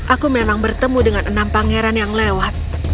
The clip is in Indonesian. aku memang bertemu dengan enam pangeran yang lewat